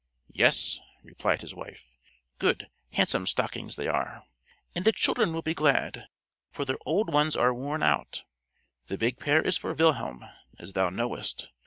"Yes," replied his wife. "Good, handsome stockings they are, and the children will be glad, for their old ones are about worn out. The big pair is for Wilhelm, as thou knowest.